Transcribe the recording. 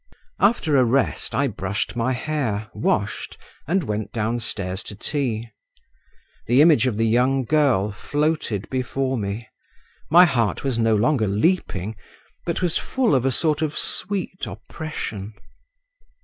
After a rest, I brushed my hair, washed, and went downstairs to tea. The image of the young girl floated before me, my heart was no longer leaping, but was full of a sort of sweet oppression.